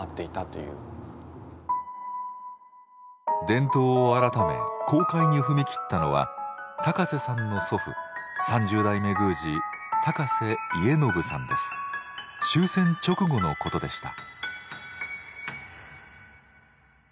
伝統を改め公開に踏み切ったのは高さんの祖父終戦直後のことでした。